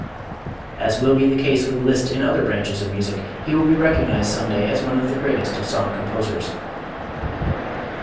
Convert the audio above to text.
As will be the case with Liszt in other branches of music, he will be recognized some day as one of the greatest of song composers.